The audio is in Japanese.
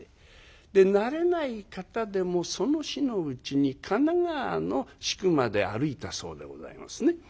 で慣れない方でもその日のうちに神奈川の宿まで歩いたそうでございますね。